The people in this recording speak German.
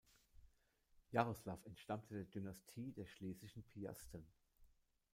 Jaroslaw entstammte der Dynastie der Schlesischen Piasten.